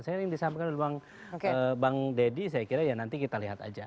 saya ingin disampaikan oleh bang deddy saya kira ya nanti kita lihat aja